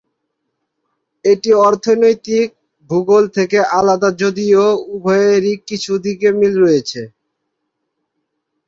এটি অর্থনৈতিক ভূগোল থেকে আলাদা যদিও উভয়েরই কিছু দিকে মিল রয়েছে।